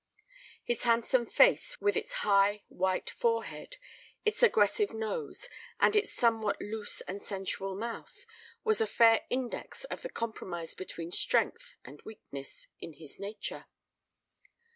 His handsome face, with its high, white forehead, its aggressive nose, and its somewhat loose and sensual mouth, was a fair index of the compromise between strength and weakness in his nature.